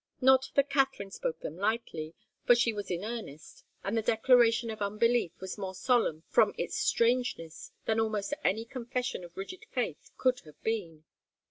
Not that Katharine spoke them lightly, for she was in earnest, and the declaration of unbelief was more solemn from its strangeness than almost any confession of rigid faith could have been.